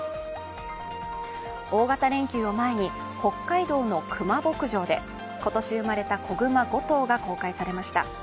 大型連休を前に北海道の熊牧場で今年生まれた子熊５頭が公開されました。